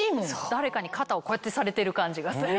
誰かに肩をこうやってされてる感じがする。